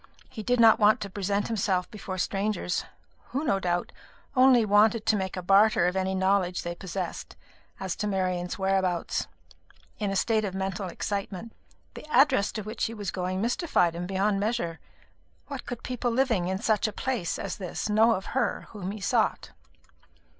He did not want to present himself before strangers who, no doubt, only wanted to make a barter of any knowledge they possessed as to Marian's whereabouts in a state of mental excitement. The address to which he was going mystified him beyond measure. What could people living in such a place as this know of her whom he sought?